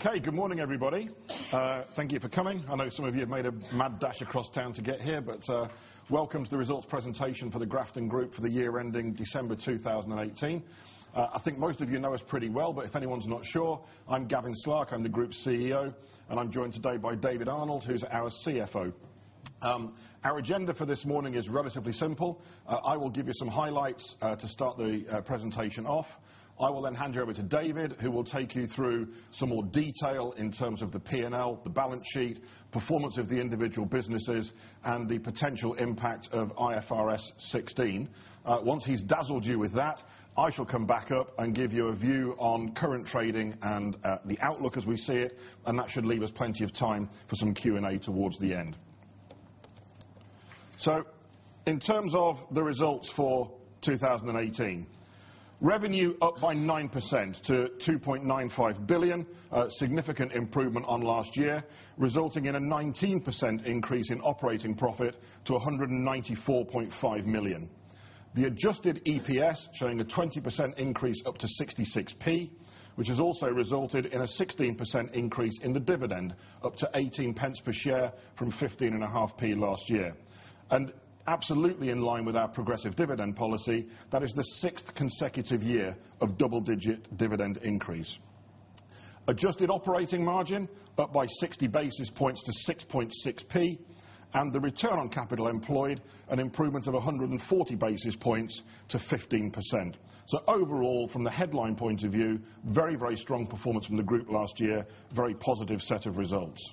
Good morning, everybody. Thank you for coming. I know some of you have made a mad dash across town to get here, welcome to the results presentation for the Grafton Group for the year ending December 2018. I think most of you know us pretty well, if anyone's not sure, I'm Gavin Slark, I'm the Group CEO, I'm joined today by David Arnold, who's our CFO. Our agenda for this morning is relatively simple. I will give you some highlights to start the presentation off. I will hand you over to David, who will take you through some more detail in terms of the P&L, the balance sheet, performance of the individual businesses, and the potential impact of IFRS 16. Once he's dazzled you with that, I shall come back up and give you a view on current trading and the outlook as we see it, That should leave us plenty of time for some Q&A towards the end. In terms of the results for 2018, revenue up by 9% to 2.95 billion. A significant improvement on last year, resulting in a 19% increase in operating profit to 194.5 million. The adjusted EPS showing a 20% increase up to 0.66, which has also resulted in a 16% increase in the dividend up to 0.18 per share from 0.155 last year. Absolutely in line with our progressive dividend policy, that is the sixth consecutive year of double-digit dividend increase. Adjusted operating margin up by 60 basis points to 6.6%, and the return on capital employed an improvement of 140 basis points to 15%. Overall, from the headline point of view, very, very strong performance from the Group last year. Very positive set of results.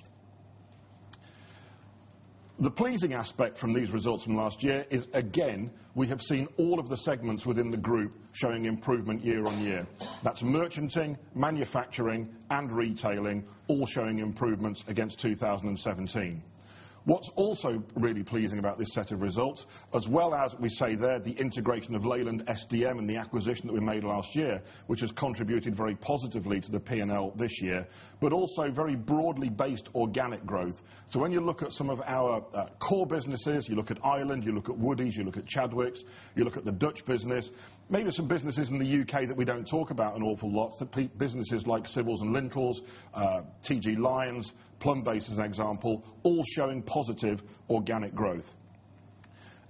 The pleasing aspect from these results from last year is, again, we have seen all of the segments within the Group showing improvement year-on-year. That's merchanting, manufacturing, and retailing all showing improvements against 2017. What's also really pleasing about this set of results as well as we say there, the integration of Leyland SDM and the acquisition that we made last year, which has contributed very positively to the P&L this year, also very broadly based organic growth. When you look at some of our core businesses, you look at Ireland, you look at Woodie's, you look at Chadwicks, you look at the Dutch business, maybe some businesses in the U.K. that we don't talk about an awful lot, businesses like Civils & Lintels, TG Lynes, Plumbase, as an example, all showing positive organic growth.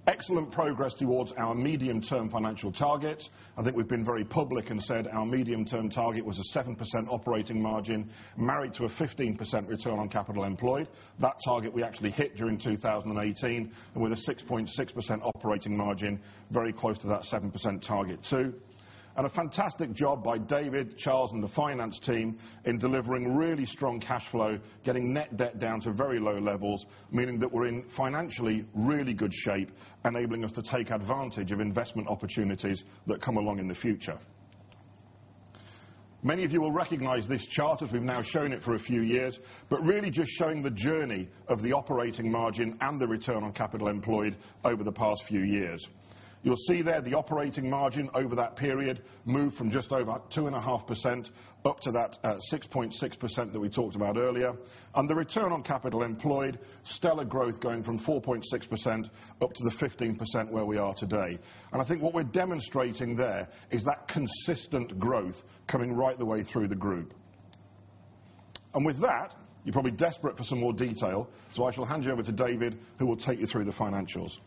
Excellent progress towards our medium-term financial target. I think we've been very public and said our medium-term target was a 7% operating margin, married to a 15% return on capital employed. That target we actually hit during 2018, with a 6.6% operating margin, very close to that 7% target, too. A fantastic job by David, Charles, and the finance team in delivering really strong cash flow, getting net debt down to very low levels, meaning that we're in financially really good shape, enabling us to take advantage of investment opportunities that come along in the future. Many of you will recognize this chart, as we've now shown it for a few years, but really just showing the journey of the operating margin and the return on capital employed over the past few years. You'll see there the operating margin over that period moved from just over 2.5% up to that 6.6% that we talked about earlier, and the return on capital employed, stellar growth going from 4.6% up to the 15% where we are today. I think what we're demonstrating there is that consistent growth coming right the way through the group. With that, you're probably desperate for some more detail, so I shall hand you over to David, who will take you through the financials.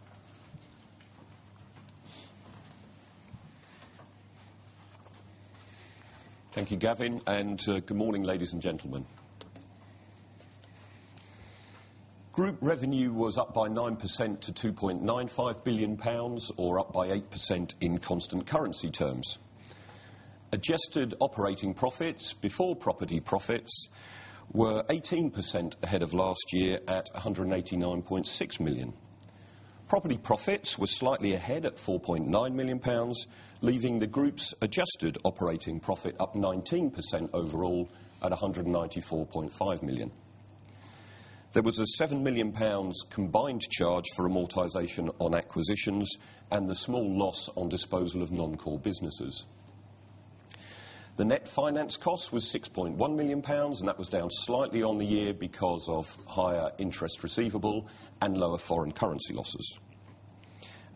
Thank you, Gavin, and good morning, ladies and gentlemen. Group revenue was up by 9% to 2.95 billion pounds, or up by 8% in constant currency terms. Adjusted operating profits before property profits were 18% ahead of last year at 189.6 million. Property profits were slightly ahead at 4.9 million pounds, leaving the group's adjusted operating profit up 19% overall at 194.5 million. There was a 7 million pounds combined charge for amortization on acquisitions and the small loss on disposal of non-core businesses. The net finance cost was 6.1 million pounds, and that was down slightly on the year because of higher interest receivable and lower foreign currency losses.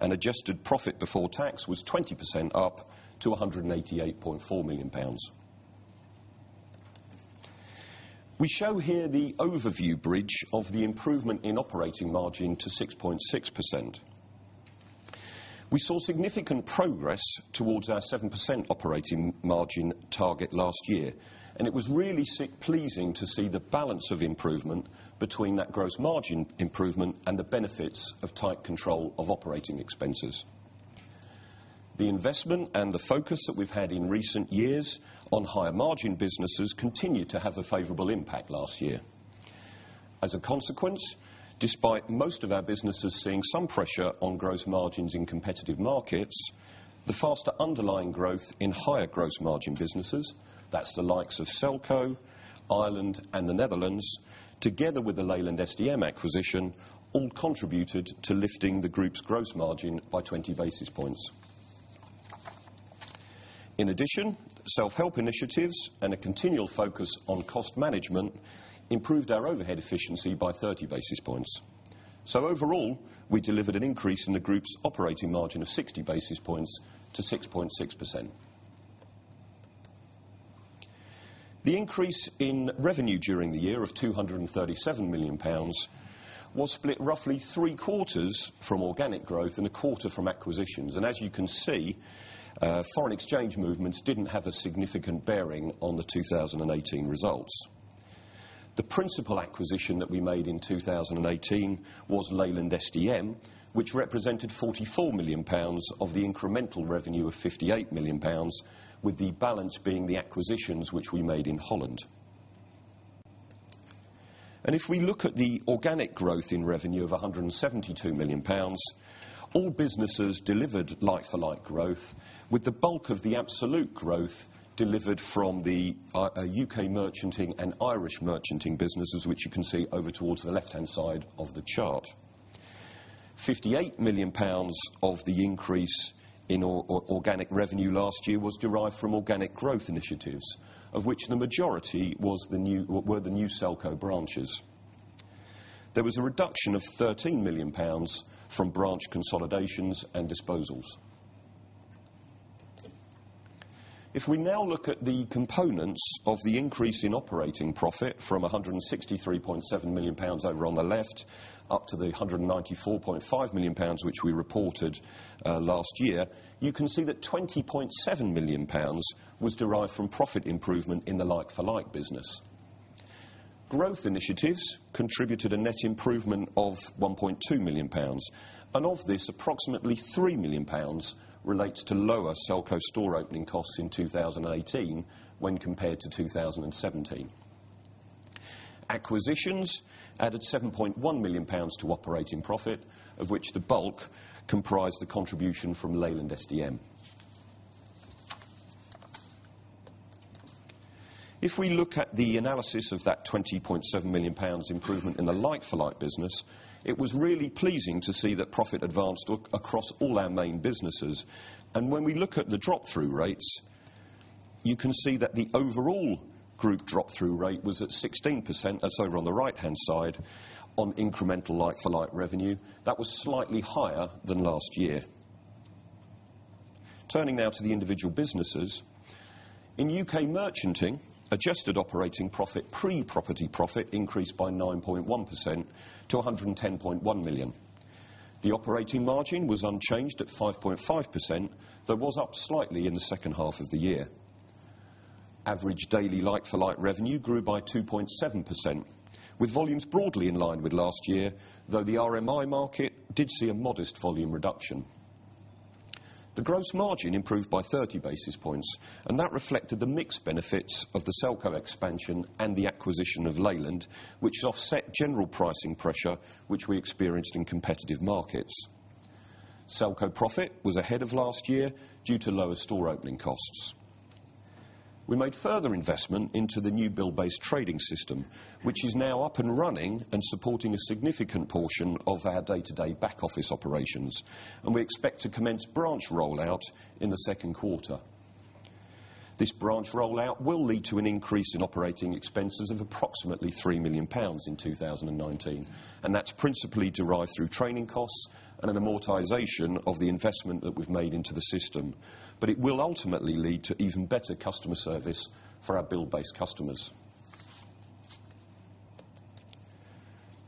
Adjusted profit before tax was 20% up to 188.4 million pounds. We show here the overview bridge of the improvement in operating margin to 6.6%. We saw significant progress towards our 7% operating margin target last year, and it was really pleasing to see the balance of improvement between that gross margin improvement and the benefits of tight control of operating expenses. The investment and the focus that we've had in recent years on higher margin businesses continued to have a favorable impact last year. As a consequence, despite most of our businesses seeing some pressure on gross margins in competitive markets, the faster underlying growth in higher gross margin businesses, that's the likes of Selco, Ireland, and the Netherlands, together with the Leyland SDM acquisition, all contributed to lifting the group's gross margin by 20 basis points. In addition, self-help initiatives and a continual focus on cost management improved our overhead efficiency by 30 basis points. Overall, we delivered an increase in the group's operating margin of 60 basis points to 6.6%. The increase in revenue during the year of 237 million pounds was split roughly three quarters from organic growth and a quarter from acquisitions. As you can see, foreign exchange movements didn't have a significant bearing on the 2018 results. The principal acquisition that we made in 2018 was Leyland SDM, which represented 44 million pounds of the incremental revenue of 58 million pounds, with the balance being the acquisitions which we made in Holland. If we look at the organic growth in revenue of 172 million pounds, all businesses delivered like-for-like growth, with the bulk of the absolute growth delivered from the U.K. merchanting and Irish merchanting businesses, which you can see over towards the left-hand side of the chart. 58 million pounds of the increase in organic revenue last year was derived from organic growth initiatives, of which the majority were the new Selco branches. There was a reduction of 13 million pounds from branch consolidations and disposals. If we now look at the components of the increase in operating profit from 163.7 million pounds over on the left, up to the 194.5 million pounds, which we reported last year, you can see that 20.7 million pounds was derived from profit improvement in the like-for-like business. Growth initiatives contributed a net improvement of 1.2 million pounds. Of this, approximately 3 million pounds relates to lower Selco store opening costs in 2018 when compared to 2017. Acquisitions added 7.1 million pounds to operating profit, of which the bulk comprised the contribution from Leyland SDM. If we look at the analysis of that 20.7 million pounds improvement in the like-for-like business, it was really pleasing to see that profit advanced across all our main businesses. When we look at the drop-through rates, you can see that the overall group drop-through rate was at 16% on incremental like-for-like revenue. That was slightly higher than last year. Turning now to the individual businesses. In U.K. merchanting, adjusted operating profit, pre-property profit increased by 9.1% to 110.1 million. The operating margin was unchanged at 5.5%, that was up slightly in the second half of the year. Average daily like-for-like revenue grew by 2.7%, with volumes broadly in line with last year, though the RMI market did see a modest volume reduction. The gross margin improved by 30 basis points, that reflected the mixed benefits of the Selco expansion and the acquisition of Leyland, which offset general pricing pressure, which we experienced in competitive markets. Selco profit was ahead of last year due to lower store opening costs. We made further investment into the new Buildbase trading system, which is now up and running and supporting a significant portion of our day-to-day back office operations. We expect to commence branch rollout in the second quarter. This branch rollout will lead to an increase in operating expenses of approximately 3 million pounds in 2019. That's principally derived through training costs and an amortization of the investment that we've made into the system. It will ultimately lead to even better customer service for our Buildbase customers.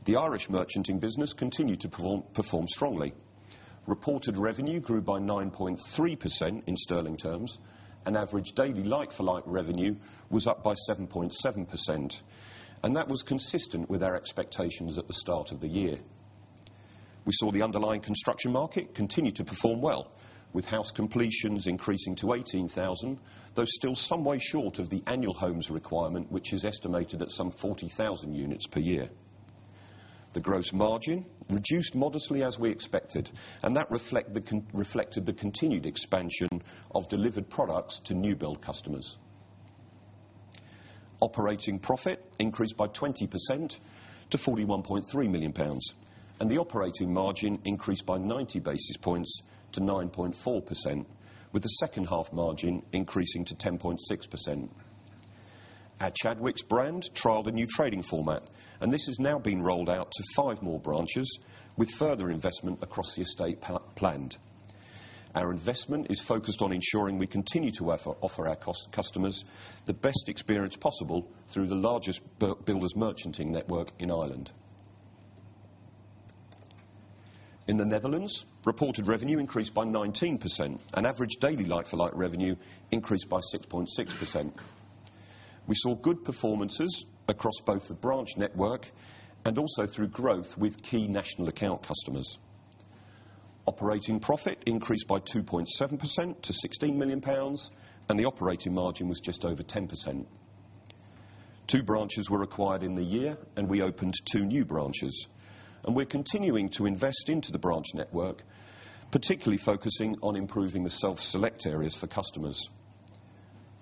The Irish merchanting business continued to perform strongly. Reported revenue grew by 9.3% in GBP terms, and average daily like-for-like revenue was up by 7.7%. That was consistent with our expectations at the start of the year. We saw the underlying construction market continue to perform well with house completions increasing to 18,000, though still some way short of the annual homes requirement, which is estimated at some 40,000 units per year. The gross margin reduced modestly as we expected, and that reflected the continued expansion of delivered products to new build customers. Operating profit increased by 20% to 41.3 million pounds, and the operating margin increased by 90 basis points to 9.4%, with the second half margin increasing to 10.6%. Our Chadwicks brand trialed a new trading format, and this has now been rolled out to five more branches with further investment across the estate planned. Our investment is focused on ensuring we continue to offer our customers the best experience possible through the largest builders merchanting network in Ireland. In the Netherlands, reported revenue increased by 19% and average daily like-for-like revenue increased by 6.6%. We saw good performances across both the branch network and also through growth with key national account customers. Operating profit increased by 2.7% to 16 million pounds, and the operating margin was just over 10%. Two branches were acquired in the year, and we opened two new branches. We're continuing to invest into the branch network, particularly focusing on improving the self-select areas for customers.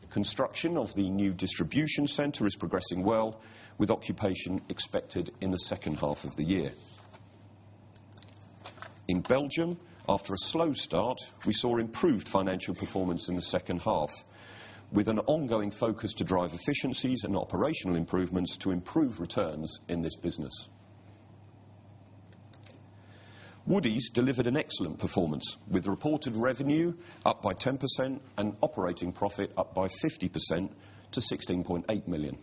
Construction of the new distribution center is progressing well with occupation expected in the second half of the year. In Belgium, after a slow start, we saw improved financial performance in the second half, with an ongoing focus to drive efficiencies and operational improvements to improve returns in this business. Woodie's delivered an excellent performance, with reported revenue up by 10% and operating profit up by 50% to 16.8 million.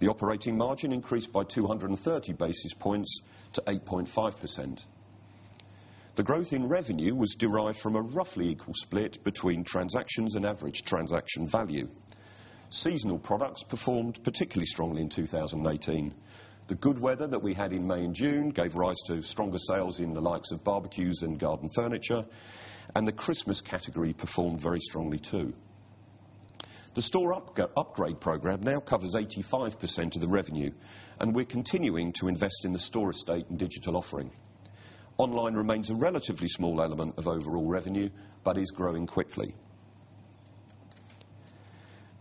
The operating margin increased by 230 basis points to 8.5%. The growth in revenue was derived from a roughly equal split between transactions and average transaction value. Seasonal products performed particularly strongly in 2018. The good weather that we had in May and June gave rise to stronger sales in the likes of barbecues and garden furniture, and the Christmas category performed very strongly, too. The store upgrade program now covers 85% of the revenue, and we're continuing to invest in the store estate and digital offering. Online remains a relatively small element of overall revenue but is growing quickly.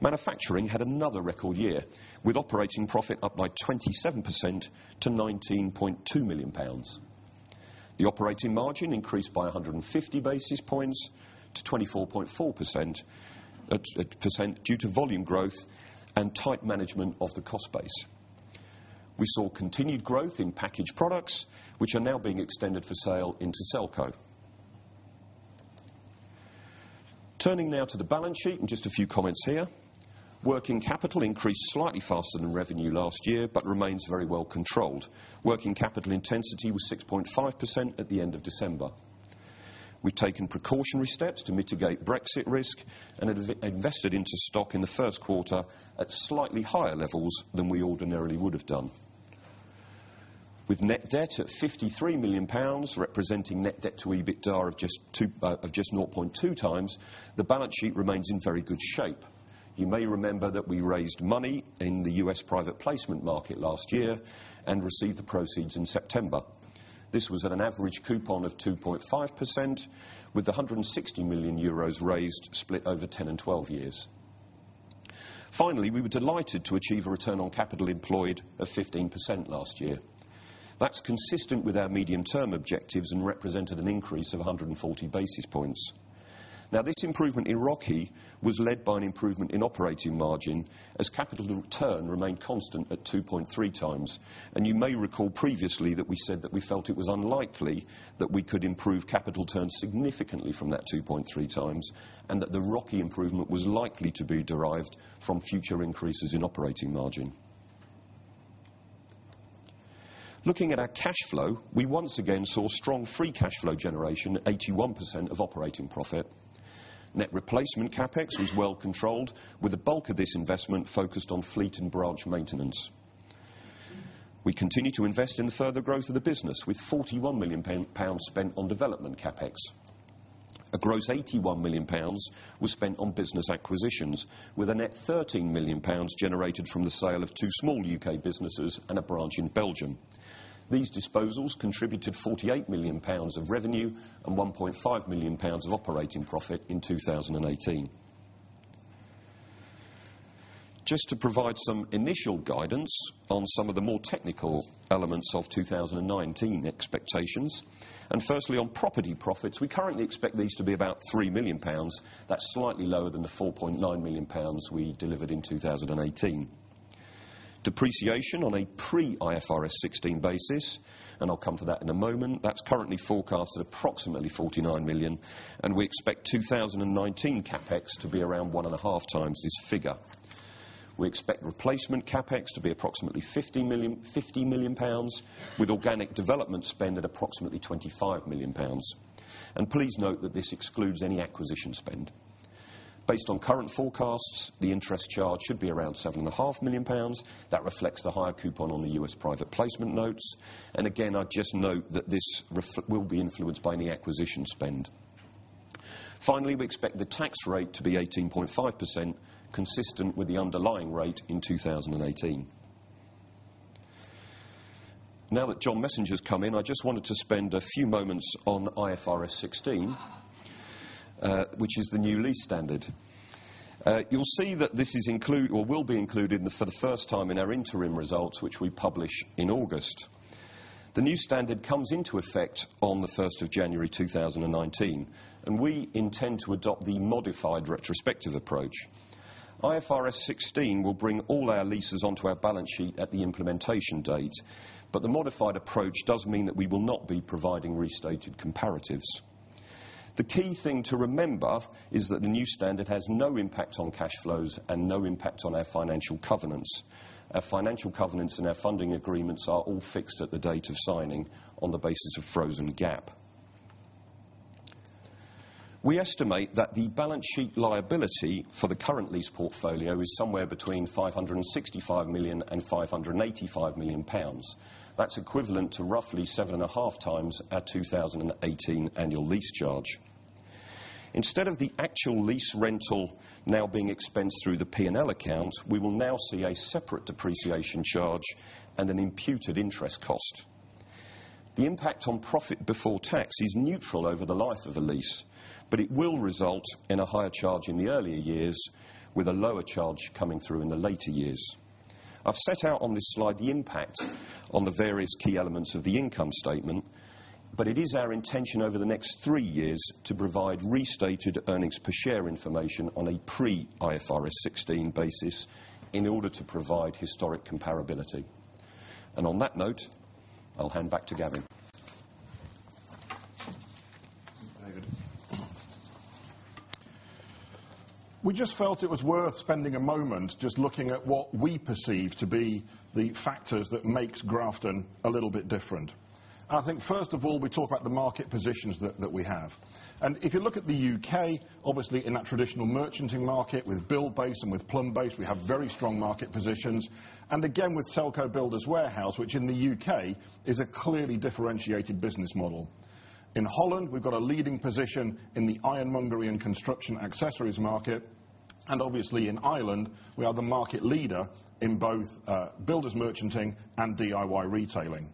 Manufacturing had another record year, with operating profit up by 27% to 19.2 million pounds. The operating margin increased by 150 basis points to 24.4% due to volume growth and tight management of the cost base. We saw continued growth in packaged products, which are now being extended for sale into Selco. Turning now to the balance sheet, just a few comments here. Working capital increased slightly faster than revenue last year but remains very well controlled. Working capital intensity was 6.5% at the end of December. We've taken precautionary steps to mitigate Brexit risk and have invested into stock in the first quarter at slightly higher levels than we ordinarily would have done. With net debt at 53 million pounds, representing net debt to EBITDA of just 0.2 times, the balance sheet remains in very good shape. You may remember that we raised money in the US private placement market last year and received the proceeds in September. This was at an average coupon of 2.5%, with the 160 million euros raised split over 10 and 12 years. Finally, we were delighted to achieve a return on capital employed of 15% last year. That's consistent with our medium-term objectives and represented an increase of 140 basis points. This improvement in ROCE was led by an improvement in operating margin as capital return remained constant at 2.3 times. You may recall previously that we said that we felt it was unlikely that we could improve capital return significantly from that 2.3 times, and that the ROCE improvement was likely to be derived from future increases in operating margin. Looking at our cash flow, we once again saw strong free cash flow generation, 81% of operating profit. Net replacement CapEx was well controlled, with the bulk of this investment focused on fleet and branch maintenance. We continue to invest in the further growth of the business with 41 million pounds spent on development CapEx. A gross 81 million pounds was spent on business acquisitions, with a net 13 million pounds generated from the sale of two small U.K. businesses and a branch in Belgium. These disposals contributed GBP 48 million of revenue and GBP 1.5 million of operating profit in 2018. Firstly on property profits, we currently expect these to be about 3 million pounds. That's slightly lower than the 4.9 million pounds we delivered in 2018. Depreciation on a pre-IFRS 16 basis, I'll come to that in a moment, that's currently forecast at approximately 49 million, and we expect 2019 CapEx to be around one and a half times this figure. We expect replacement CapEx to be approximately 50 million pounds, with organic development spend at approximately 25 million pounds. Please note that this excludes any acquisition spend. Based on current forecasts, the interest charge should be around 7.5 million pounds. That reflects the higher coupon on the US private placement notes. Again, I'd just note that this will be influenced by any acquisition spend. Finally, we expect the tax rate to be 18.5%, consistent with the underlying rate in 2018. Now that John Messenger's come in, I just wanted to spend a few moments on IFRS 16, which is the new lease standard. You'll see that this will be included for the first time in our interim results, which we publish in August. The new standard comes into effect on the 1st of January 2019, we intend to adopt the modified retrospective approach. IFRS 16 will bring all our leases onto our balance sheet at the implementation date, the modified approach does mean that we will not be providing restated comparatives. The key thing to remember is that the new standard has no impact on cash flows and no impact on our financial covenants. Our financial covenants and our funding agreements are all fixed at the date of signing on the basis of frozen GAAP. We estimate that the balance sheet liability for the current lease portfolio is somewhere between 565 million and 585 million pounds. That's equivalent to roughly seven and a half times our 2018 annual lease charge. Instead of the actual lease rental now being expensed through the P&L account, we will now see a separate depreciation charge and an imputed interest cost. The impact on profit before tax is neutral over the life of a lease, but it will result in a higher charge in the earlier years with a lower charge coming through in the later years. I've set out on this slide the impact on the various key elements of the income statement, but it is our intention over the next 3 years to provide restated earnings per share information on a pre-IFRS 16 basis in order to provide historic comparability. On that note, I'll hand back to Gavin. Thanks, David. We just felt it was worth spending a moment just looking at what we perceive to be the factors that makes Grafton a little bit different. I think, first of all, we talk about the market positions that we have. If you look at the U.K., obviously in that traditional merchanting market with Buildbase and with Plumbase, we have very strong market positions. Again, with Selco Builders Warehouse, which in the U.K. is a clearly differentiated business model. In Holland, we've got a leading position in the ironmongery and construction accessories market. Obviously, in Ireland, we are the market leader in both builders merchanting and DIY retailing.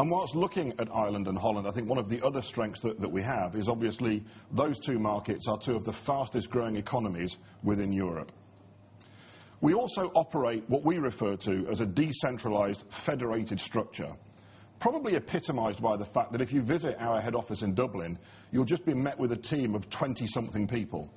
Whilst looking at Ireland and Holland, I think one of the other strengths that we have is obviously those two markets are two of the fastest growing economies within Europe. We also operate what we refer to as a decentralized federated structure. Probably epitomized by the fact that if you visit our head office in Dublin, you'll just be met with a team of 20 something people.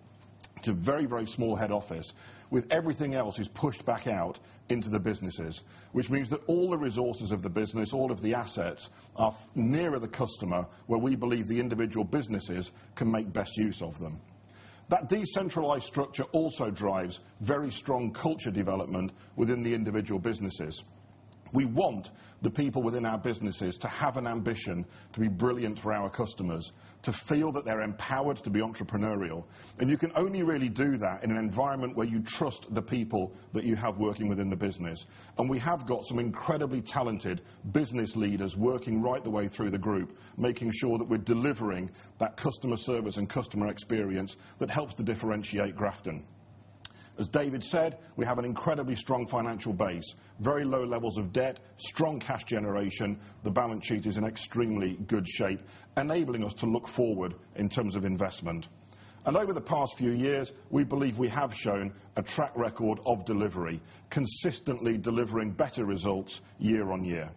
It's a very, very small head office with everything else is pushed back out into the businesses, which means that all the resources of the business, all of the assets, are nearer the customer where we believe the individual businesses can make best use of them. That decentralized structure also drives very strong culture development within the individual businesses. We want the people within our businesses to have an ambition to be brilliant for our customers, to feel that they're empowered to be entrepreneurial. You can only really do that in an environment where you trust the people that you have working within the business. We have got some incredibly talented business leaders working right the way through the group, making sure that we're delivering that customer service and customer experience that helps to differentiate Grafton. As David said, we have an incredibly strong financial base, very low levels of debt, strong cash generation. The balance sheet is in extremely good shape, enabling us to look forward in terms of investment. Over the past few years, we believe we have shown a track record of delivery, consistently delivering better results year-on-year.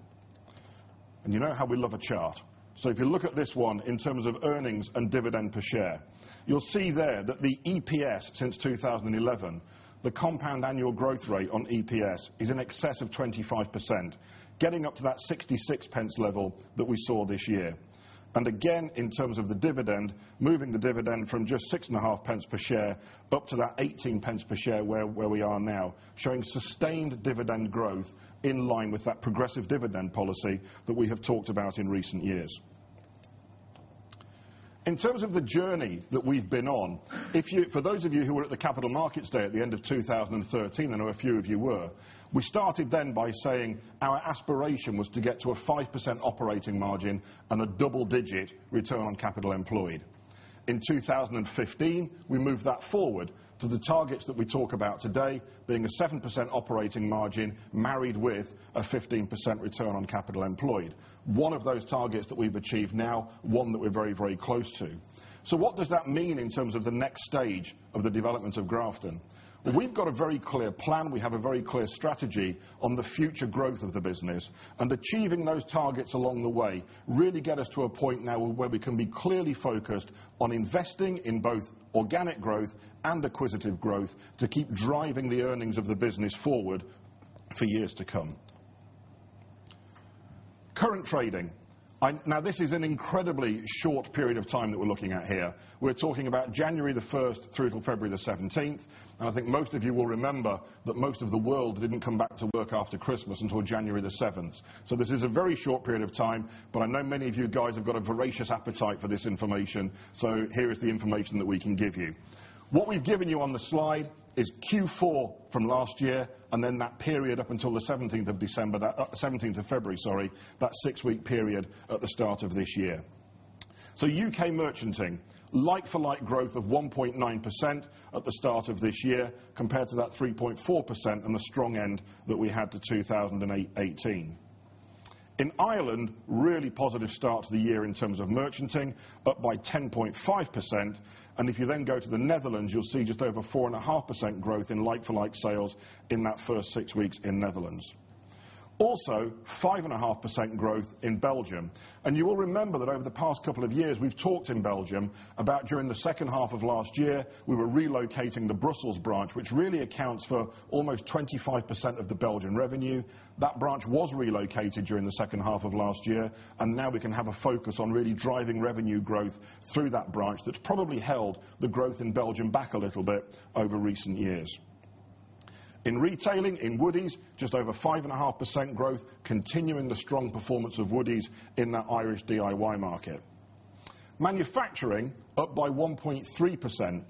You know how we love a chart. If you look at this one in terms of earnings and dividend per share, you'll see there that the EPS since 2011, the compound annual growth rate on EPS is in excess of 25%, getting up to that 0.66 level that we saw this year. In terms of the dividend, moving the dividend from just 0.065 per share up to that 0.18 per share where we are now, showing sustained dividend growth in line with that progressive dividend policy that we have talked about in recent years. In terms of the journey that we've been on, for those of you who were at the Capital Markets Day at the end of 2013, I know a few of you were, we started by saying our aspiration was to get to a 5% operating margin and a double-digit return on capital employed. In 2015, we moved that forward to the targets that we talk about today being a 7% operating margin married with a 15% return on capital employed. One of those targets that we've achieved now, one that we're very, very close to. What does that mean in terms of the next stage of the development of Grafton? We've got a very clear plan. We have a very clear strategy on the future growth of the business, achieving those targets along the way really get us to a point now where we can be clearly focused on investing in both organic growth and acquisitive growth to keep driving the earnings of the business forward for years to come. Current trading. This is an incredibly short period of time that we're looking at here. We're talking about January the 1st through till February the 17th, and I think most of you will remember that most of the world didn't come back to work after Christmas until January the 7th. This is a very short period of time, I know many of you guys have got a voracious appetite for this information. Here is the information that we can give you. What we've given you on the slide is Q4 from last year, then that period up until the 17th of February, sorry, that six-week period at the start of this year. U.K. merchanting, like-for-like growth of 1.9% at the start of this year, compared to that 3.4% and the strong end that we had to 2018. In Ireland, really positive start to the year in terms of merchanting, up by 10.5%. If you then go to the Netherlands, you'll see just over 4.5% growth in like-for-like sales in that first six weeks in Netherlands. Also, 5.5% growth in Belgium. You will remember that over the past couple of years, we've talked in Belgium about during the second half of last year, we were relocating the Brussels branch, which really accounts for almost 25% of the Belgian revenue. That branch was relocated during the second half of last year, now we can have a focus on really driving revenue growth through that branch that's probably held the growth in Belgium back a little bit over recent years. In retailing, in Woodie's, just over 5.5% growth, continuing the strong performance of Woodie's in that Irish DIY market. Manufacturing up by 1.3%,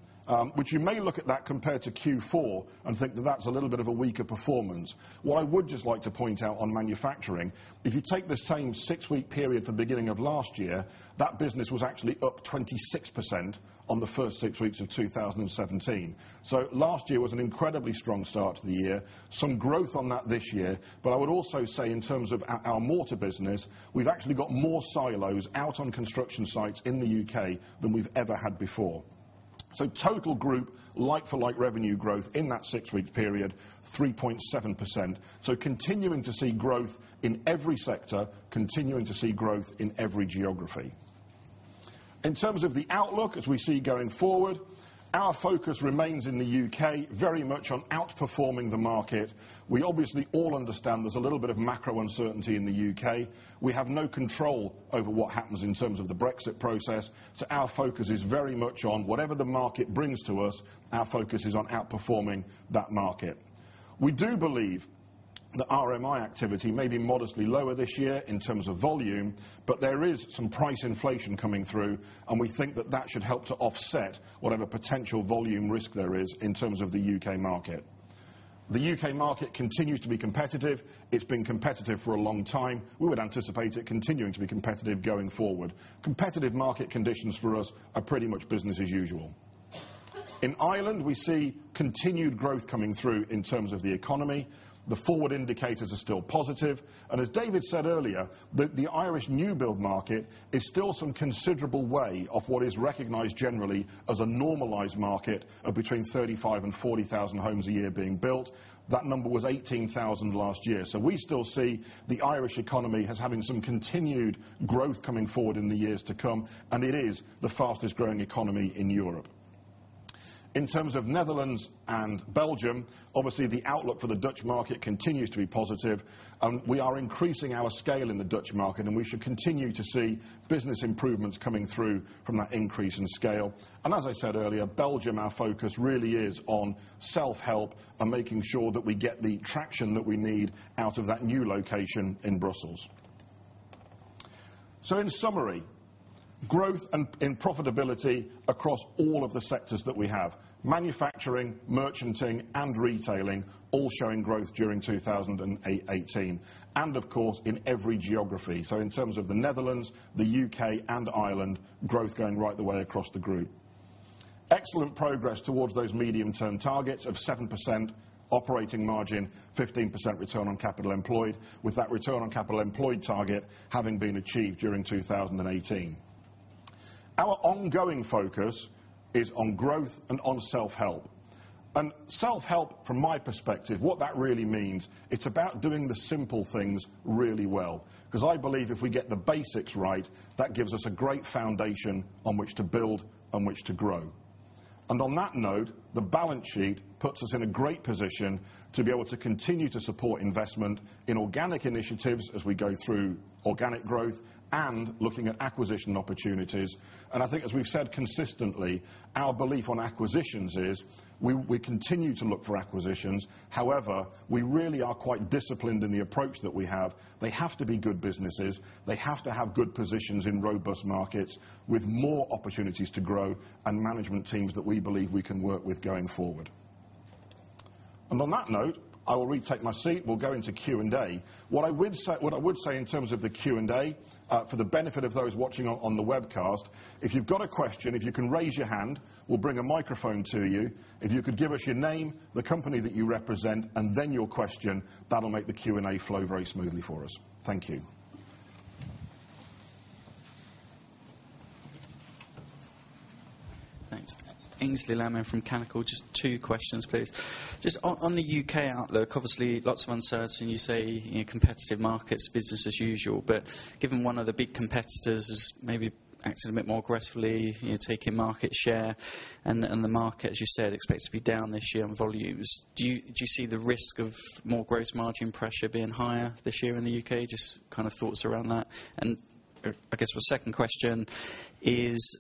which you may look at that compared to Q4 and think that that's a little bit of a weaker performance. What I would just like to point out on manufacturing, if you take the same six-week period from beginning of last year, that business was actually up 26% on the first six weeks of 2017. Last year was an incredibly strong start to the year. Some growth on that this year, but I would also say in terms of our mortar business, we've actually got more silos out on construction sites in the U.K. than we've ever had before. Total group like-for-like revenue growth in that six-week period, 3.7%. Continuing to see growth in every sector, continuing to see growth in every geography. In terms of the outlook, as we see going forward, our focus remains in the U.K. very much on outperforming the market. We obviously all understand there's a little bit of macro uncertainty in the U.K. We have no control over what happens in terms of the Brexit process, so our focus is very much on whatever the market brings to us, our focus is on outperforming that market. We do believe that RMI activity may be modestly lower this year in terms of volume, but there is some price inflation coming through, and we think that that should help to offset whatever potential volume risk there is in terms of the U.K. market. The U.K. market continues to be competitive. It's been competitive for a long time. We would anticipate it continuing to be competitive going forward. Competitive market conditions for us are pretty much business as usual. In Ireland, we see continued growth coming through in terms of the economy. The forward indicators are still positive, and as David said earlier, the Irish new build market is still some considerable way off what is recognized generally as a normalized market of between 35,000 and 40,000 homes a year being built. That number was 18,000 last year. We still see the Irish economy as having some continued growth coming forward in the years to come, and it is the fastest growing economy in Europe. In terms of Netherlands and Belgium, obviously the outlook for the Dutch market continues to be positive. We are increasing our scale in the Dutch market, and we should continue to see business improvements coming through from that increase in scale. As I said earlier, Belgium, our focus really is on self-help and making sure that we get the traction that we need out of that new location in Brussels. In summary, growth and profitability across all of the sectors that we have. Manufacturing, merchanting, and retailing all showing growth during 2018. Of course, in every geography. In terms of the Netherlands, the U.K., and Ireland, growth going right the way across the group. Excellent progress towards those medium-term targets of 7% operating margin, 15% return on capital employed, with that return on capital employed target having been achieved during 2018. Our ongoing focus is on growth and on self-help. Self-help from my perspective, what that really means, it's about doing the simple things really well. I believe if we get the basics right, that gives us a great foundation on which to build, on which to grow. On that note, the balance sheet puts us in a great position to be able to continue to support investment in organic initiatives as we go through organic growth and looking at acquisition opportunities. I think as we've said consistently, our belief on acquisitions is we continue to look for acquisitions. However, we really are quite disciplined in the approach that we have. They have to be good businesses. They have to have good positions in robust markets with more opportunities to grow and management teams that we believe we can work with going forward. On that note, I will retake my seat. We'll go into Q&A. What I would say in terms of the Q&A, for the benefit of those watching on the webcast, if you've got a question, if you can raise your hand, we'll bring a microphone to you. If you could give us your name, the company that you represent, then your question, that'll make the Q&A flow very smoothly for us. Thank you. Thanks. Aynsley Lammin from Canaccord. Just two questions, please. Just on the U.K. outlook, obviously lots of uncertainty, you say in competitive markets, business as usual. Given one of the big competitors is maybe acting a bit more aggressively, taking market share and the market, as you said, expects to be down this year on volumes, do you see the risk of more gross margin pressure being higher this year in the U.K.? Just kind of thoughts around that. I guess my second question is,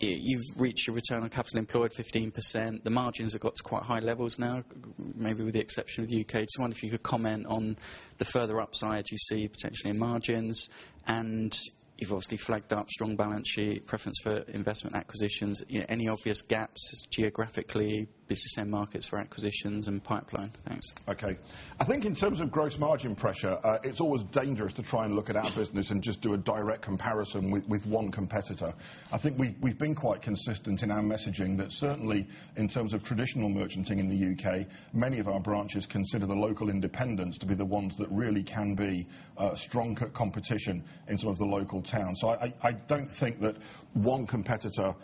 you've reached your return on capital employed 15%. The margins have got to quite high levels now, maybe with the exception of the U.K. Just wonder if you could comment on the further upside you see potentially in margins, you've obviously flagged up strong balance sheet preference for investment acquisitions. Any obvious gaps geographically, business end markets for acquisitions and pipeline? Thanks. Okay. I think in terms of gross margin pressure, it's always dangerous to try and look at our business and just do a direct comparison with one competitor. I think we've been quite consistent in our messaging that certainly in terms of traditional merchanting in the U.K., many of our branches consider the local independents to be the ones that really can be strong competition in sort of the local town. I don't think that one competitor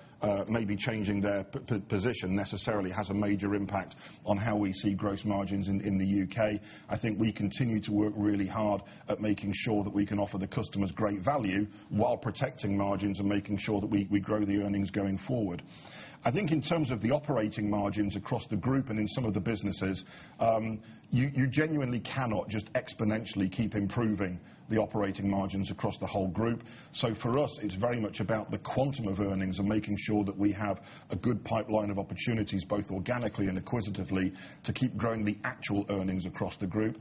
maybe changing their position necessarily has a major impact on how we see gross margins in the U.K. I think we continue to work really hard at making sure that we can offer the customers great value while protecting margins and making sure that we grow the earnings going forward. I think in terms of the operating margins across the group and in some of the businesses, you genuinely cannot just exponentially keep improving the operating margins across the whole group. For us, it's very much about the quantum of earnings and making sure that we have a good pipeline of opportunities, both organically and acquisitively, to keep growing the actual earnings across the group.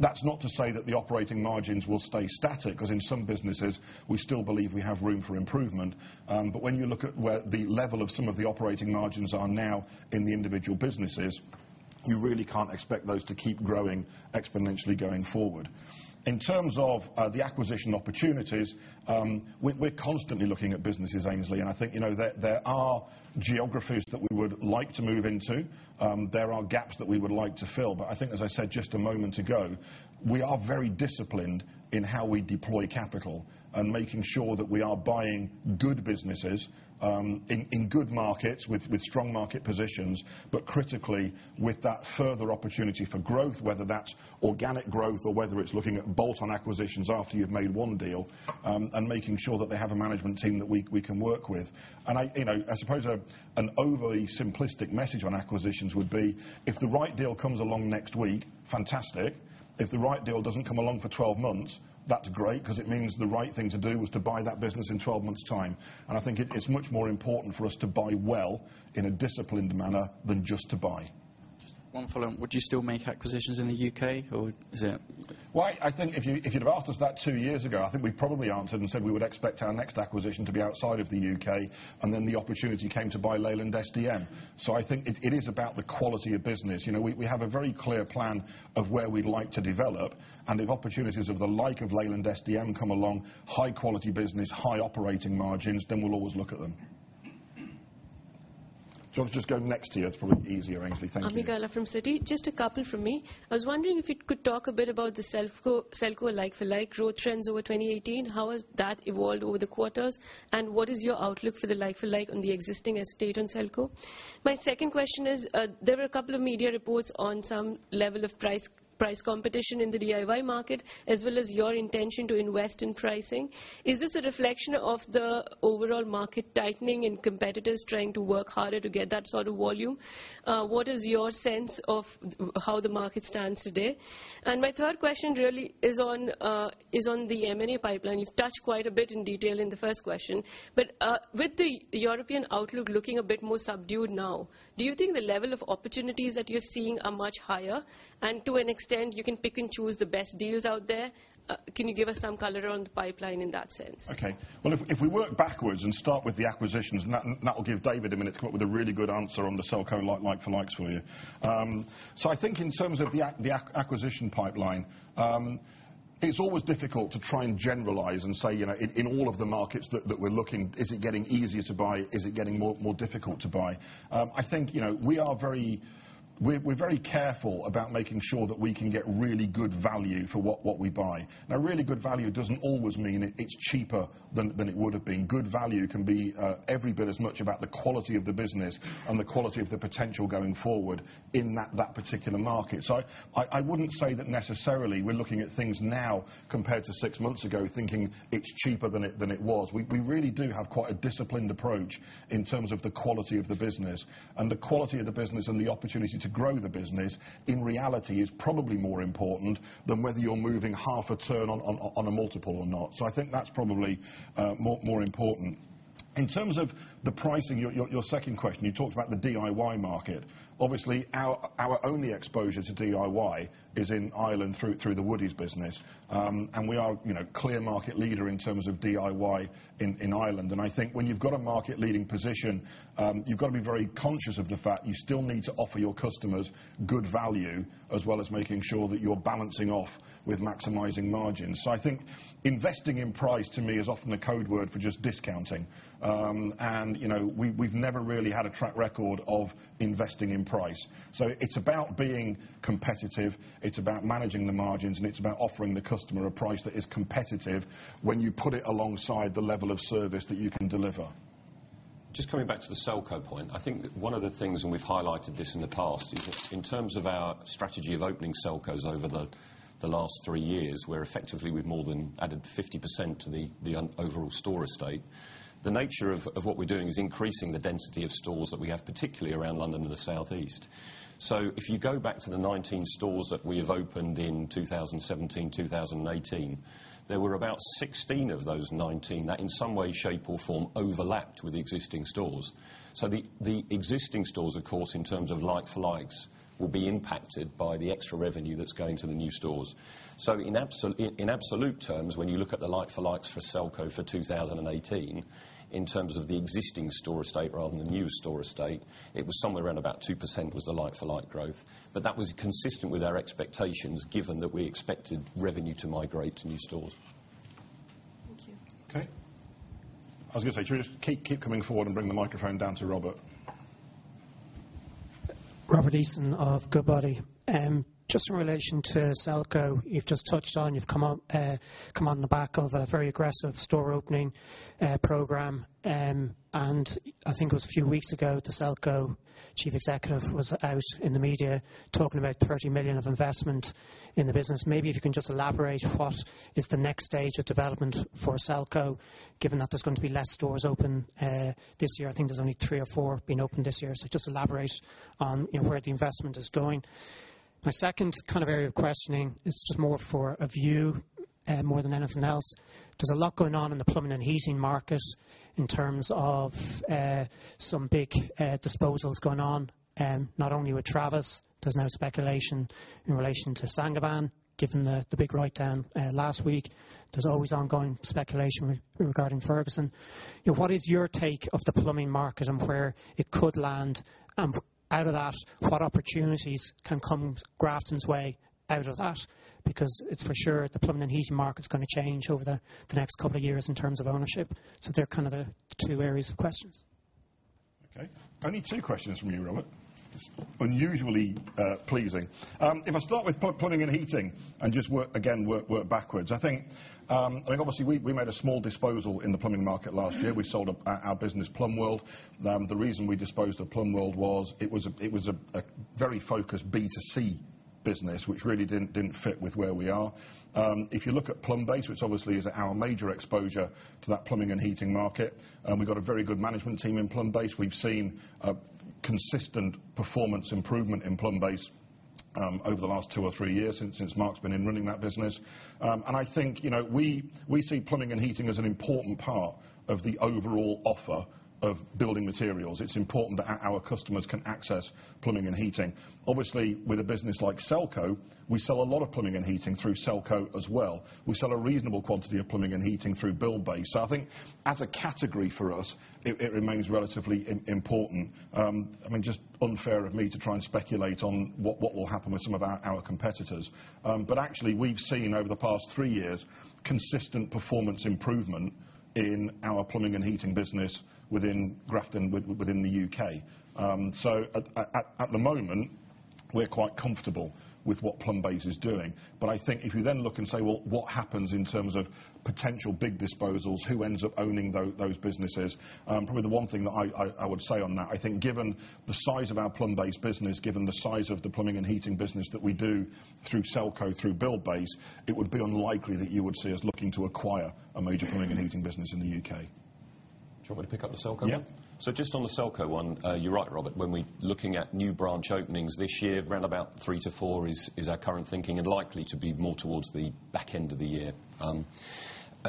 That's not to say that the operating margins will stay static, because in some businesses we still believe we have room for improvement. When you look at where the level of some of the operating margins are now in the individual businesses, you really can't expect those to keep growing exponentially going forward. In terms of the acquisition opportunities, we're constantly looking at businesses, Aynsley. I think there are geographies that we would like to move into. There are gaps that we would like to fill. I think, as I said just a moment ago, we are very disciplined in how we deploy capital and making sure that we are buying good businesses in good markets with strong market positions. Critically, with that further opportunity for growth, whether that's organic growth or whether it's looking at bolt-on acquisitions after you've made one deal, and making sure that they have a management team that we can work with. I suppose an overly simplistic message on acquisitions would be, if the right deal comes along next week, fantastic. If the right deal doesn't come along for 12 months, that's great, because it means the right thing to do was to buy that business in 12 months' time. I think it's much more important for us to buy well in a disciplined manner than just to buy. Just one follow-on. Would you still make acquisitions in the U.K. or is it Well, I think if you'd have asked us that two years ago, I think we probably answered and said we would expect our next acquisition to be outside of the U.K., and then the opportunity came to buy Leyland SDM. I think it is about the quality of business. We have a very clear plan of where we'd like to develop, and if opportunities of the like of Leyland SDM come along, high quality business, high operating margins, then we'll always look at them. Do you want to just go next to you? It's probably easier, Aynsley. Thank you. Ami Galla from Citi. Just a couple from me. I was wondering if you could talk a bit about the Selco like-for-like growth trends over 2018, how has that evolved over the quarters, and what is your outlook for the like-for-like on the existing estate on Selco? My second question is, there were a couple of media reports on some level of price competition in the DIY market, as well as your intention to invest in pricing. Is this a reflection of the overall market tightening and competitors trying to work harder to get that sort of volume? What is your sense of how the market stands today? My third question really is on the M&A pipeline. You've touched quite a bit in detail in the first question. With the European outlook looking a bit more subdued now, do you think the level of opportunities that you're seeing are much higher? To an extent you can pick and choose the best deals out there? Can you give us some color on the pipeline in that sense? Okay. Well, if we work backwards and start with the acquisitions, and that'll give David a minute to come up with a really good answer on the Selco like-for-likes for you. I think in terms of the acquisition pipeline, it's always difficult to try and generalize and say in all of the markets that we're looking, is it getting easier to buy? Is it getting more difficult to buy? I think we're very careful about making sure that we can get really good value for what we buy. Now, really good value doesn't always mean it's cheaper than it would have been. Good value can be every bit as much about the quality of the business and the quality of the potential going forward in that particular market. I wouldn't say that necessarily we're looking at things now compared to six months ago thinking it's cheaper than it was. We really do have quite a disciplined approach in terms of the quality of the business. The quality of the business and the opportunity to grow the business, in reality, is probably more important than whether you're moving half a turn on a multiple or not. I think that's probably more important. In terms of the pricing, your second question, you talked about the DIY market. Obviously, our only exposure to DIY is in Ireland through the Woodie's business. We are clear market leader in terms of DIY in Ireland. I think when you've got a market leading position, you've got to be very conscious of the fact you still need to offer your customers good value as well as making sure that you're balancing off with maximizing margins. I think investing in price to me is often a code word for just discounting. We've never really had a track record of investing in price. It's about being competitive, it's about managing the margins, and it's about offering the customer a price that is competitive when you put it alongside the level of service that you can deliver. Just coming back to the Selco point, I think one of the things, we've highlighted this in the past, is that in terms of our strategy of opening Selcos over the last three years, where effectively we've more than added 50% to the overall store estate. The nature of what we're doing is increasing the density of stores that we have, particularly around London and the Southeast. If you go back to the 19 stores that we have opened in 2017, 2018, there were about 16 of those 19 that in some way, shape, or form overlapped with existing stores. The existing stores, of course, in terms of like-for-likes, will be impacted by the extra revenue that's going to the new stores. In absolute terms, when you look at the like-for-likes for Selco for 2018, in terms of the existing store estate rather than the new store estate, it was somewhere around about 2% was the like-for-like growth. That was consistent with our expectations, given that we expected revenue to migrate to new stores. Thank you. Okay. I was going to say, should we just keep coming forward and bring the microphone down to Robert? Robert Eason of Goodbody. Just in relation to Selco, you've just touched on you've come on the back of a very aggressive store opening program. I think it was a few weeks ago, the Selco chief executive was out in the media talking about 30 million of investment in the business. Maybe if you can just elaborate what is the next stage of development for Selco, given that there's going to be less stores open this year? I think there's only three or four being opened this year. Just elaborate on where the investment is going. My second kind of area of questioning is just more for a view more than anything else. There's a lot going on in the plumbing and heating market in terms of some big disposals going on, not only with Travis, there's now speculation in relation to Saint-Gobain, given the big writedown last week. There's always ongoing speculation regarding Ferguson. What is your take of the plumbing market and where it could land? Out of that, what opportunities can come Grafton's way out of that? It's for sure the plumbing and heating market's going to change over the next couple of years in terms of ownership. They're kind of the two areas of questions. Okay. Only two questions from you, Robert. Yes. Unusually pleasing. If I start with plumbing and heating and just, again, work backwards. I think, obviously, we made a small disposal in the plumbing market last year. We sold our business, Plumbworld. The reason we disposed of Plumbworld was it was a very focused B2C business, which really didn't fit with where we are. If you look at Plumbase, which obviously is our major exposure to that plumbing and heating market, we've got a very good management team in Plumbase. We've seen a consistent performance improvement in Plumbase over the last two or three years since Mark's been in running that business. I think we see plumbing and heating as an important part of the overall offer of building materials. It's important that our customers can access plumbing and heating. Obviously, with a business like Selco, we sell a lot of plumbing and heating through Selco as well. We sell a reasonable quantity of plumbing and heating through Buildbase. I think as a category for us, it remains relatively important. Just unfair of me to try and speculate on what will happen with some of our competitors. Actually, we've seen over the past three years, consistent performance improvement in our plumbing and heating business within Grafton, within the U.K. At the moment, we're quite comfortable with what Plumbase is doing. I think if you then look and say, well, what happens in terms of potential big disposals? Who ends up owning those businesses? Probably the one thing that I would say on that, I think given the size of our Plumbase business, given the size of the plumbing and heating business that we do through Selco, through Buildbase, it would be unlikely that you would see us looking to acquire a major plumbing and heating business in the U.K. Do you want me to pick up the Selco bit? Yeah. Just on the Selco one, you're right, Robert. When we're looking at new branch openings this year, around about three to four is our current thinking, and likely to be more towards the back end of the year.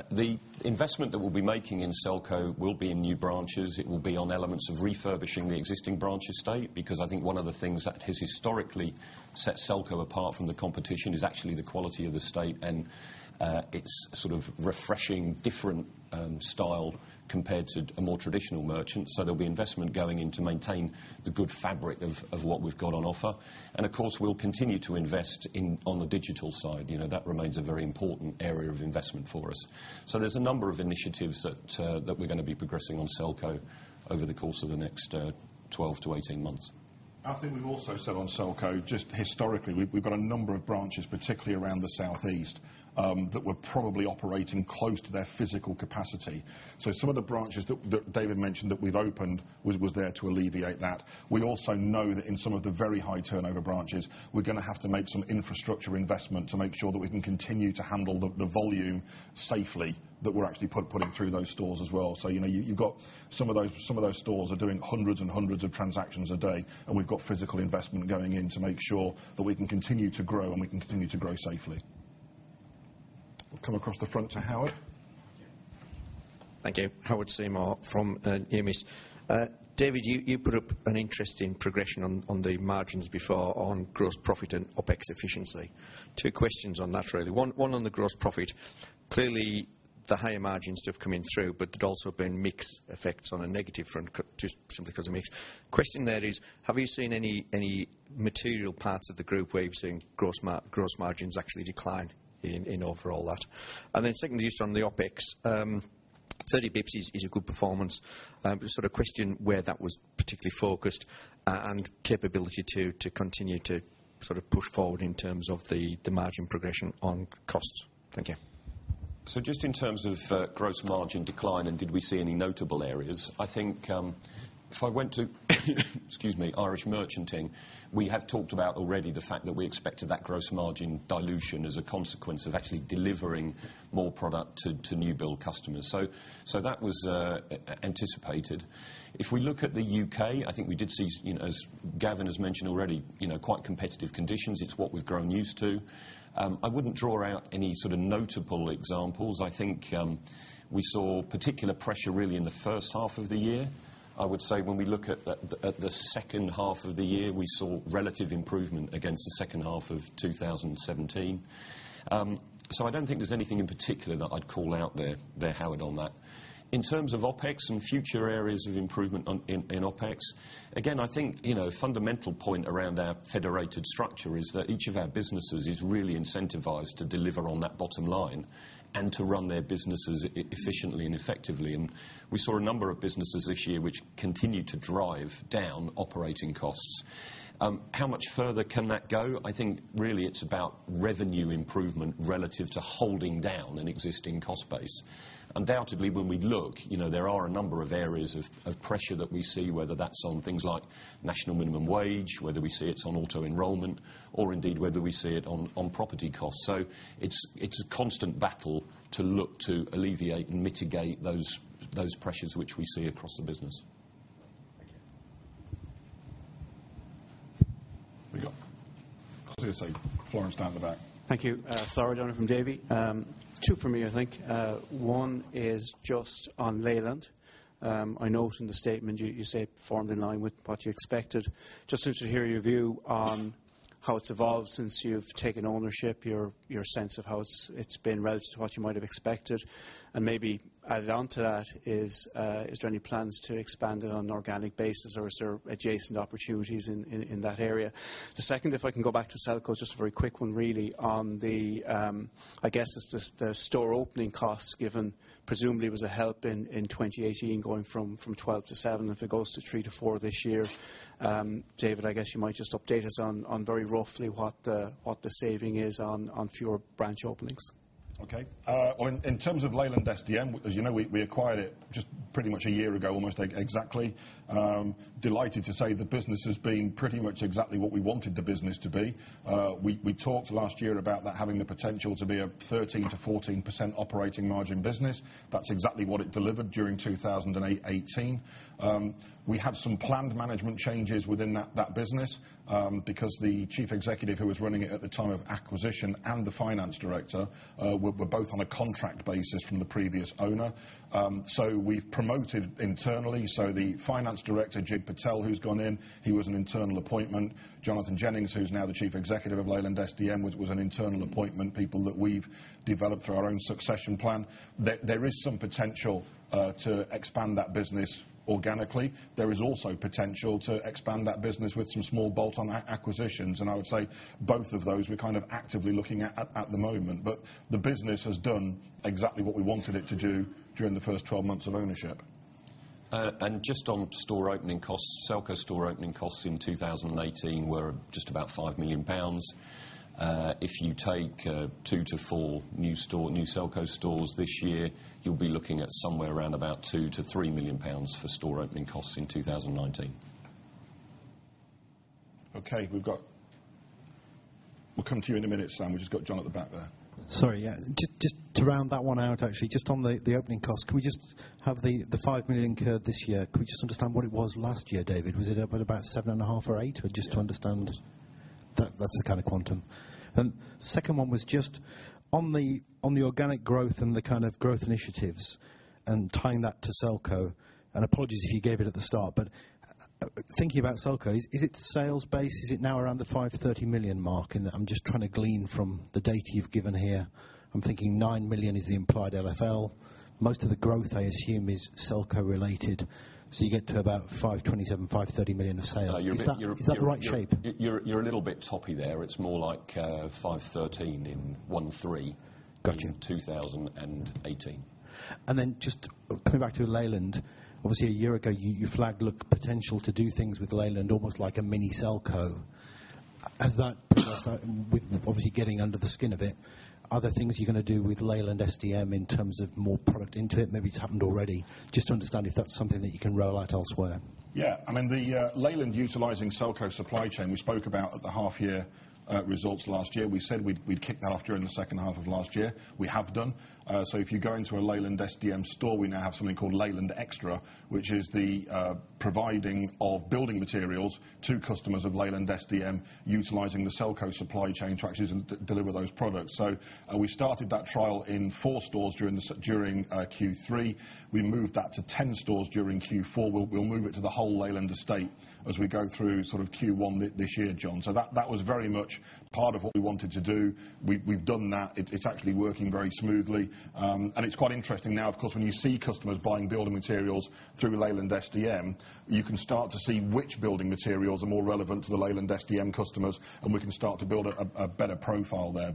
The investment that we'll be making in Selco will be in new branches. It will be on elements of refurbishing the existing branch estate, because I think one of the things that has historically set Selco apart from the competition is actually the quality of the state, and its sort of refreshing, different style compared to a more traditional merchant. There'll be investment going in to maintain the good fabric of what we've got on offer. Of course, we'll continue to invest on the digital side. That remains a very important area of investment for us. There's a number of initiatives that we're going to be progressing on Selco over the course of the next 12 to 18 months. I think we've also said on Selco, just historically, we've got a number of branches, particularly around the southeast, that were probably operating close to their physical capacity. Some of the branches that David mentioned that we've opened was there to alleviate that. We also know that in some of the very high turnover branches, we're going to have to make some infrastructure investment to make sure that we can continue to handle the volume safely, that we're actually putting through those stores as well. You've got some of those stores are doing hundreds and hundreds of transactions a day, and we've got physical investment going in to make sure that we can continue to grow, and we can continue to grow safely. We'll come across the front to Howard. Thank you. Howard Seymour from Hermes. David, you put up an interesting progression on the margins before on gross profit and OpEx efficiency. Two questions on that, really. One on the gross profit. Clearly, the higher margins have come in through, but there's also been mix effects on a negative front, just simply because of mix. Question there is, have you seen any material parts of the group where you've seen gross margins actually decline in overall that? Secondly, just on the OpEx, 30 basis points is a good performance. Sort of question where that was particularly focused and capability to continue to sort of push forward in terms of the margin progression on costs. Thank you. Just in terms of gross margin decline, did we see any notable areas, I think if I went to excuse me, Irish Merchanting, we have talked about already the fact that we expected that gross margin dilution as a consequence of actually delivering more product to new build customers. That was anticipated. If we look at the U.K., I think we did see, as Gavin has mentioned already, quite competitive conditions. It's what we've grown used to. I wouldn't draw out any sort of notable examples. I think we saw particular pressure really in the first half of the year. I would say when we look at the second half of the year, we saw relative improvement against the second half of 2017. I don't think there's anything in particular that I'd call out there, Howard, on that. In terms of OpEx and future areas of improvement in OpEx, again, I think a fundamental point around our federated structure is that each of our businesses is really incentivized to deliver on that bottom line and to run their businesses efficiently and effectively. We saw a number of businesses this year which continued to drive down operating costs. How much further can that go? I think really it's about revenue improvement relative to holding down an existing cost base. Undoubtedly, when we look, there are a number of areas of pressure that we see, whether that's on things like national minimum wage, whether we see it's on auto enrollment, or indeed whether we see it on property costs. It's a constant battle to look to alleviate and mitigate those pressures which we see across the business. Thank you. There you go. I was going to say, Flor down the back. Thank you. Flor O'Donoghue from Davy. Two from me, I think. One is just on Leyland. I note in the statement you say it performed in line with what you expected. Just interested to hear your view on how it's evolved since you've taken ownership, your sense of how it's been relative to what you might have expected. Maybe added on to that is there any plans to expand it on an organic basis, or is there adjacent opportunities in that area? The second, if I can go back to Selco, just a very quick one really on the, I guess, it's the store opening costs given, presumably, was a help in 2018 going from 12 to 7 if it goes to three to four this year. David, I guess you might just update us on very roughly what the saving is on fewer branch openings. Okay. In terms of Leyland SDM, as you know, we acquired it just pretty much a year ago almost exactly. Delighted to say the business has been pretty much exactly what we wanted the business to be. We talked last year about that having the potential to be a 13% to 14% operating margin business. That's exactly what it delivered during 2018. We had some planned management changes within that business, because the chief executive who was running it at the time of acquisition and the finance director were both on a contract basis from the previous owner. We've promoted internally, so the Finance Director, Jit Patel, who's gone in, he was an internal appointment. Jonathan Jennings, who's now the Chief Executive of Leyland SDM was an internal appointment, people that we've developed through our own succession plan. There is some potential to expand that business organically. There is also potential to expand that business with some small bolt-on acquisitions, I would say both of those we're kind of actively looking at the moment. The business has done exactly what we wanted it to do during the first 12 months of ownership. Just on store opening costs, Selco store opening costs in 2018 were just about 5 million pounds. If you take 2 to 4 new Selco stores this year, you'll be looking at somewhere around about 2 million-3 million pounds for store opening costs in 2019. Okay. We'll come to you in a minute, Sam. We've just got John at the back there. Sorry, yeah. Just to round that one out actually, just on the opening cost, can we just have the 5 million incurred this year, could we just understand what it was last year, David? Was it up at about 7.5 or 8? Just to understand that's the kind of quantum. Second one was just on the organic growth and the kind of growth initiatives and tying that to Selco, apologies if you gave it at the start, but thinking about Selco, is its sales base, is it now around the 530 million mark? In that I'm just trying to glean from the data you've given here. I'm thinking 9 million is the implied LFL. Most of the growth I assume is Selco related, so you get to about 527 million-530 million of sales. You're- Is that the right shape? You're a little bit toppy there. It's more like 513 in one three- Got you in 2018. Just coming back to Leyland, obviously a year ago you flagged look potential to do things with Leyland, almost like a mini Selco. Has that with obviously getting under the skin a bit, are there things you're going to do with Leyland SDM in terms of more product into it? Maybe it's happened already. Just to understand if that's something that you can roll out elsewhere. I mean, the Leyland utilizing Selco supply chain, we spoke about at the half year results last year. We said we'd kick that off during the second half of last year. We have done. If you go into a Leyland SDM store, we now have something called Leyland Extra, which is the providing of building materials to customers of Leyland SDM, utilizing the Selco supply chain to actually deliver those products. We started that trial in four stores during Q3. We moved that to 10 stores during Q4. We'll move it to the whole Leyland estate as we go through sort of Q1 this year, John. That was very much part of what we wanted to do. We've done that. It's actually working very smoothly. It's quite interesting now, of course, when you see customers buying building materials through Leyland SDM, you can start to see which building materials are more relevant to the Leyland SDM customers, and we can start to build a better profile there.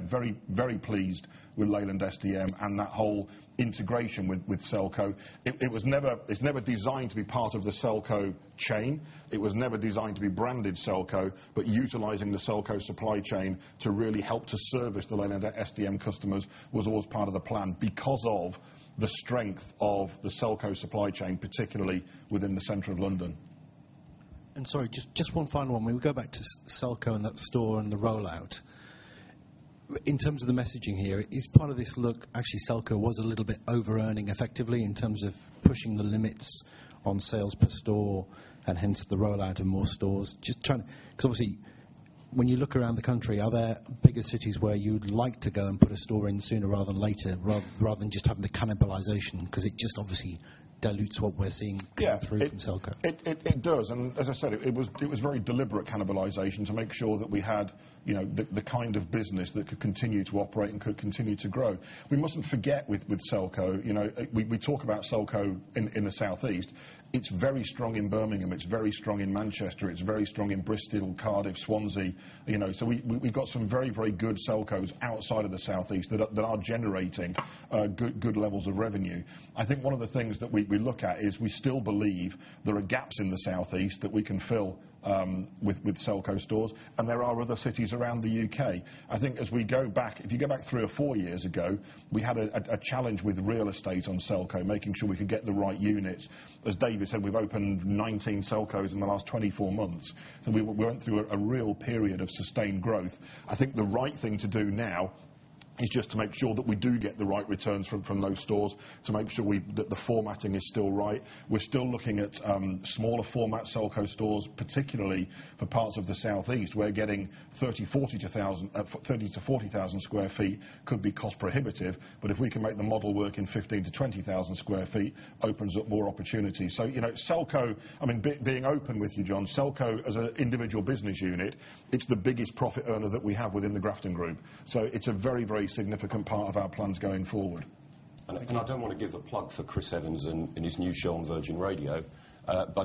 Very pleased with Leyland SDM and that whole integration with Selco. It's never designed to be part of the Selco chain. It was never designed to be branded Selco. Utilizing the Selco supply chain to really help to service the Leyland SDM customers was always part of the plan because of the strength of the Selco supply chain, particularly within the center of London. Sorry, just one final one. We go back to Selco and that store and the rollout. In terms of the messaging here, is part of this look actually Selco was a little bit overearning effectively in terms of pushing the limits on sales per store and hence the rollout of more stores? Just trying to. Obviously when you look around the country, are there bigger cities where you'd like to go and put a store in sooner rather than later, rather than just having the cannibalization? It just obviously dilutes what we're seeing- Yeah coming through from Selco. It does, and as I said, it was very deliberate cannibalization to make sure that we had the kind of business that could continue to operate and could continue to grow. We mustn't forget with Selco, we talk about Selco in the South East. It's very strong in Birmingham. It's very strong in Manchester. It's very strong in Bristol, Cardiff, Swansea. We've got some very good Selcos outside of the South East that are generating good levels of revenue. I think one of the things that we look at is we still believe there are gaps in the South East that we can fill with Selco stores, and there are other cities around the U.K. I think as we go back, if you go back three or four years ago, we had a challenge with real estate on Selco, making sure we could get the right units. As David said, we've opened 19 Selcos in the last 24 months. We went through a real period of sustained growth. I think the right thing to do now is just to make sure that we do get the right returns from those stores, to make sure that the formatting is still right. We're still looking at smaller format Selco stores, particularly for parts of the South East where getting 30,000 to 40,000 sq ft could be cost prohibitive. If we can make the model work in 15,000 to 20,000 sq ft, opens up more opportunities. Selco, I mean, being open with you, John, Selco, as an individual business unit, it's the biggest profit earner that we have within the Grafton Group. It's a very significant part of our plans going forward. I don't want to give a plug for Chris Evans in his new show on Virgin Radio.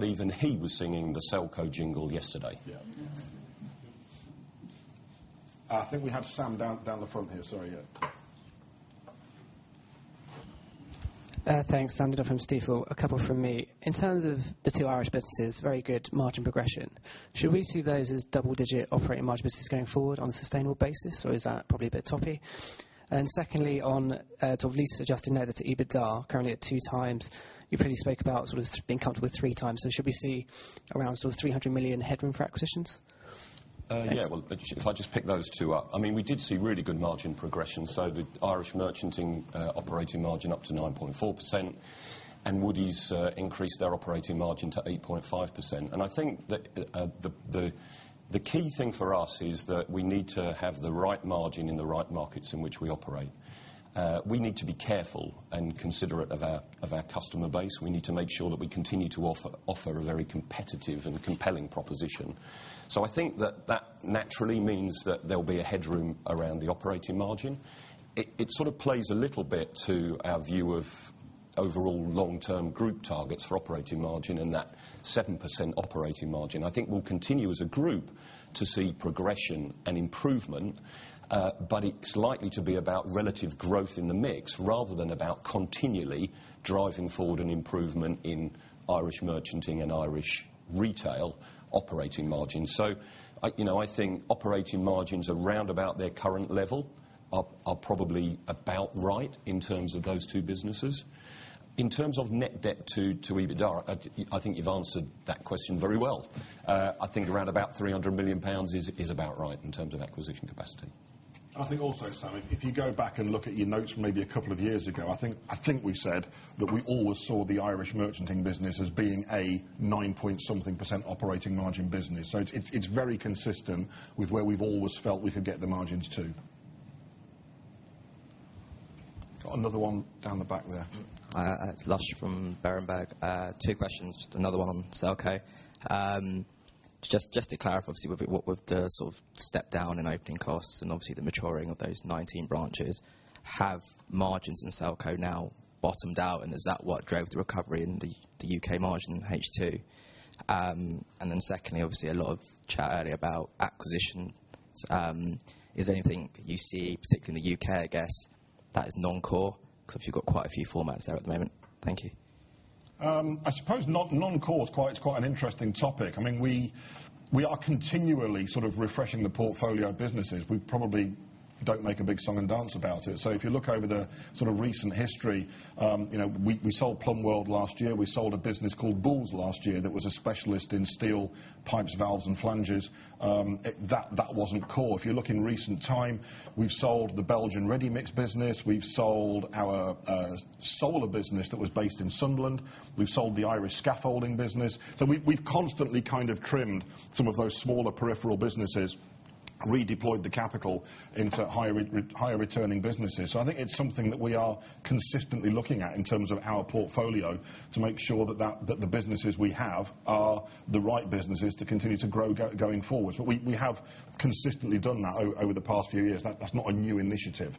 Even he was singing the Selco jingle yesterday. Yeah. I think we have Sam down the front here. Sorry, yeah. Thanks. Sam Dindol from Stifel. A couple from me. In terms of the two Irish businesses, very good margin progression. Should we see those as double-digit operating margin business going forward on a sustainable basis, or is that probably a bit toppy? Secondly, on lease-adjusted net to EBITDA, currently at 2 times. You previously spoke about sort of being comfortable with 3 times. Should we see around sort of 300 million headroom for acquisitions? Yeah. If I just pick those two up. We did see really good margin progression. The Irish merchanting operating margin up to 9.4%, and Woodie's increased their operating margin to 8.5%. I think that the key thing for us is that we need to have the right margin in the right markets in which we operate. We need to be careful and considerate of our customer base. We need to make sure that we continue to offer a very competitive and compelling proposition. I think that that naturally means that there'll be a headroom around the operating margin. It sort of plays a little bit to our view of overall long-term group targets for operating margin in that 7% operating margin. I think we'll continue as a group to see progression and improvement, but it's likely to be about relative growth in the mix rather than about continually driving forward an improvement in Irish merchanting and Irish retail operating margins. I think operating margins around about their current level are probably about right in terms of those two businesses. In terms of net debt to EBITDA, I think you've answered that question very well. I think around about 300 million pounds is about right in terms of acquisition capacity. I think also, Sam, if you go back and look at your notes from maybe a couple of years ago, I think we said that we always saw the Irish merchanting business as being a nine-something% operating margin business. It's very consistent with where we've always felt we could get the margins to. Got another one down the back there. It's Lush from Berenberg. Two questions, just another one on Selco. Just to clarify obviously with the sort of step down in opening costs and obviously the maturing of those 19 branches, have margins in Selco now bottomed out and is that what drove the recovery in the U.K. margin in H2? Secondly, obviously a lot of chat earlier about acquisitions. Is there anything you see, particularly in the U.K., I guess, that is non-core? Because obviously you've got quite a few formats there at the moment. Thank you. I suppose non-core is quite an interesting topic. We are continually sort of refreshing the portfolio of businesses. We probably don't make a big song and dance about it. If you look over the sort of recent history, we sold Plumbworld last year. We sold a business called Bulls last year that was a specialist in steel pipes, valves and flanges. That wasn't core. If you look in recent time, we've sold the Belgian Ready Mix business. We've sold our solar business that was based in Sunderland. We've sold the Irish scaffolding business. We've constantly kind of trimmed some of those smaller peripheral businesses, redeployed the capital into higher returning businesses. I think it's something that we are consistently looking at in terms of our portfolio to make sure that the businesses we have are the right businesses to continue to grow going forwards. We have consistently done that over the past few years. That's not a new initiative.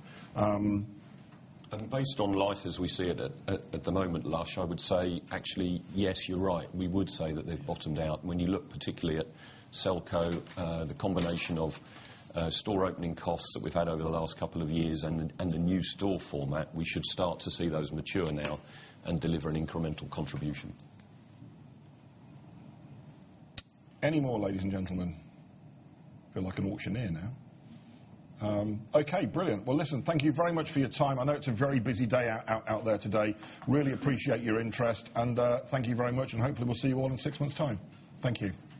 Based on life as we see it at the moment, Lush, I would say actually, yes, you're right. We would say that they've bottomed out. When you look particularly at Selco, the combination of store opening costs that we've had over the last couple of years and the new store format, we should start to see those mature now and deliver an incremental contribution. Any more, ladies and gentlemen? Feel like an auctioneer now. Okay, brilliant. Listen, thank you very much for your time. I know it's a very busy day out there today. Really appreciate your interest and thank you very much, and hopefully we'll see you all in six months' time. Thank you.